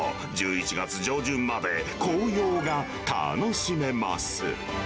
１１月上旬まで紅葉が楽しめます。